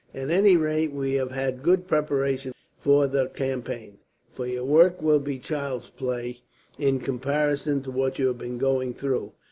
"At any rate, you have had good preparation for the campaign, for your work will be child's play in comparison to what you have been going through.